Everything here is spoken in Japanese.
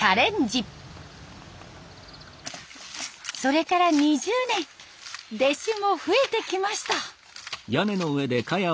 それから２０年弟子も増えてきました。